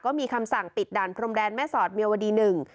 ก็มีคำสั่งปิดด่านพรมแดนแม่สอดเมียวดีหนึ่ง